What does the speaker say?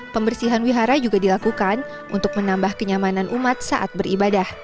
pembersihan wihara juga dilakukan untuk menambah kenyamanan umat saat beribadah